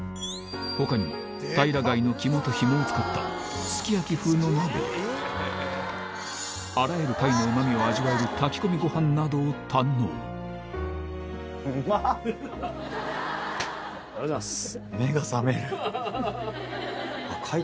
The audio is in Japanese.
他にも平貝の肝とヒモを使ったすき焼き風の鍋やあらゆる貝のうま味を味わえる炊き込みご飯などを堪能ありがとうございます。